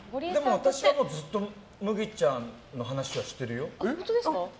私はずっと麦ちゃんの話はしてるよ。